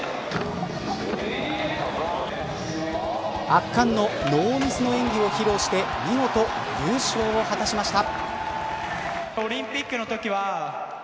圧巻のノーミス演技を披露して見事優勝を果たしました。